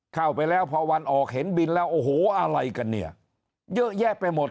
เข้าไปแล้วพอวันออกเห็นบินแล้วโอ้โหอะไรกันเนี่ยเยอะแยะไปหมด